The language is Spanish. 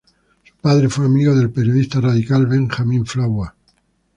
Su padre fue amigo del periodista radical Benjamin Flower.